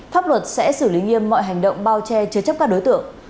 pháp luật sẽ xử lý nghiêm mọi hành động bao che chứa chấp các đối tượng